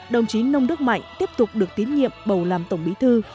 đồng chí nông đức mạnh tiếp tục được tín nhiệm bầu làm tổng bí thư